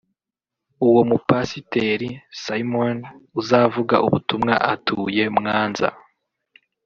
uwo mupasiteri (Simon) uzavuga ubutumwa atuye Mwanza